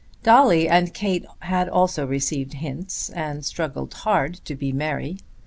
Dolly and Kate had also received hints and struggled hard to be merry.